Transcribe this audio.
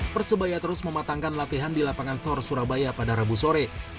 persebaya terus mematangkan latihan di lapangan tor surabaya pada rabu sore